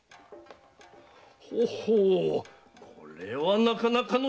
ほほうこれはなかなかの収穫。